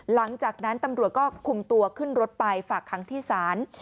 หลังจากนั้นตำรวจก็คุมตัวขึ้นรถไปฝากคังที่ศาล